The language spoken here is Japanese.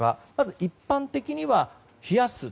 まず、一般的には冷やす。